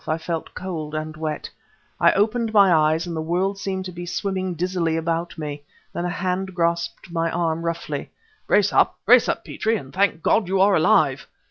I felt cold and wet. I opened my eyes and the world seemed to be swimming dizzily about me. Then a hand grasped my arm, roughly. "Brace up! Brace up, Petrie and thank God you are alive!